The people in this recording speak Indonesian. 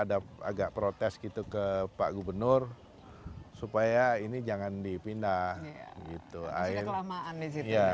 agak protes gitu ke pak gubernur supaya ini jangan dipindah gitu aja kelamaan di sini ya